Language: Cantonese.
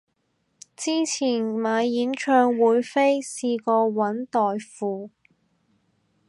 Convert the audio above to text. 之前買演唱會飛試過搵代付